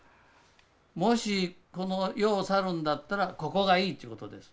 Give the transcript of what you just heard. もしこの世を去るんだったらここがいいということですね。